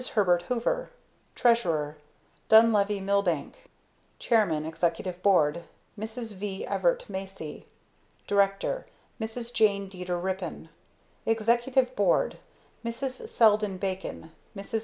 HERBERT HOOVER Treasurer DUNLEVY MILBANK Chairman, Executive Board MRS. V. EVERIT MACY Director MRS. JANE DEETER RIPPIN Executive Board MRS. SELDEN BACON MRS.